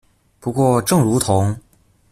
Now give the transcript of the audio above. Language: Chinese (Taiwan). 不過正如同